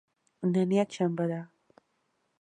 نن یکشنبه ده